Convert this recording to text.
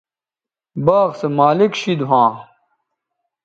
باغ سو مالک شید ھواں